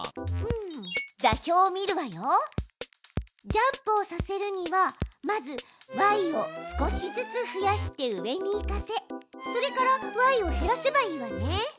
ジャンプをさせるにはまずｙを少しずつ増やして上に行かせそれからｙを減らせばいいわね。